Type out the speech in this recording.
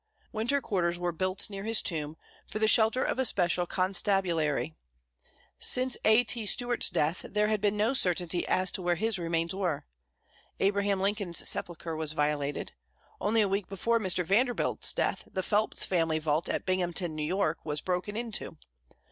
Winter quarters were built near his tomb, for the shelter of a special constabulary. Since A.T. Stewart's death, there had been no certainty as to where his remains were. Abraham Lincoln's sepulchre was violated. Only a week before Mr. Vanderbilt's death, the Phelps family vault at Binghamton, New York, was broken into.